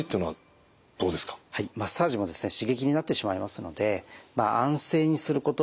もう一つマッサージも刺激になってしまいますので安静にすることの真逆ですよね。